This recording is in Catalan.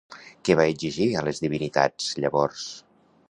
Què va exigir a les divinitats llavors?